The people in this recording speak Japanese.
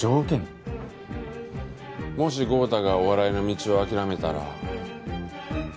もし豪太がお笑いの道を諦めたら。